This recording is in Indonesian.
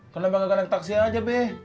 kan lempar kagak naik taksi aja be